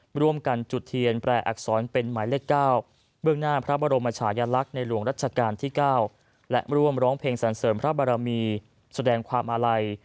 มรวมกันจุดเถียงแรกแหกสอนเป็นหมายเลข๙เบื้องหน้าพระมรมชายลักษณ์ในหลวงราชการที่๙และร้องเพลงสั่นเสินพระบารมีแสดงความอาไล